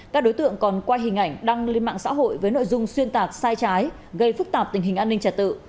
các đối tượng còn quay hình ảnh đăng lên mạng xã hội với nội dung xuyên tạc sai trái gây phức tạp tình hình an ninh trật tự